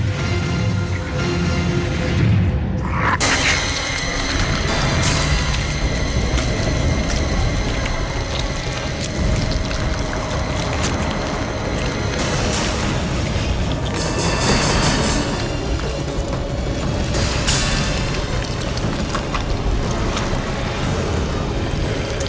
เฮ้ย